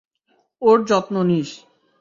ওর যত্ন নিস।